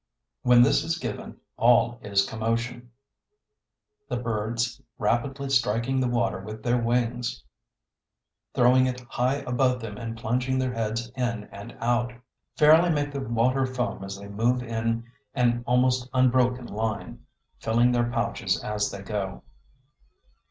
When this is given, all is commotion; the birds, rapidly striking the water with their wings, throwing it high above them and plunging their heads in and out, fairly make the water foam as they move in an almost unbroken line, filling their pouches as they go.